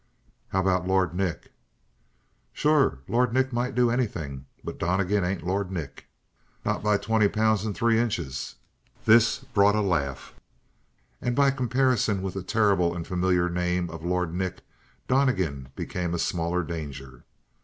"How about Lord Nick?" "Sure, Lord Nick might do anything. But Donnegan ain't Lord Nick." "Not by twenty pounds and three inches." This brought a laugh. And by comparison with the terrible and familiar name of Lord Nick, Donnegan became a smaller danger.